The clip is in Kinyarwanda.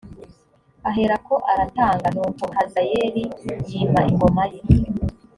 aherako aratanga nuko hazayeli yima ingoma ye